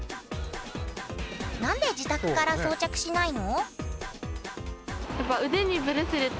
何で自宅から装着しないの？